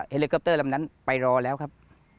เลคอปเตอร์ลำนั้นไปรอแล้วครับ